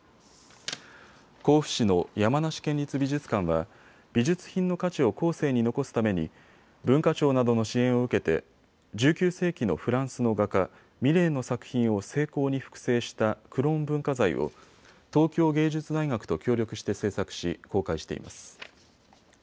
甲府市の山梨県立美術館は美術品の価値を後世に残すために文化庁などの支援を受けて１９世紀のフランスの画家、ミレーの作品を精巧に複製したクローン文化財を東京芸術大学と協力して制作し公開しています。